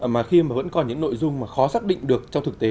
mà khi mà vẫn còn những nội dung mà khó xác định được trong thực tế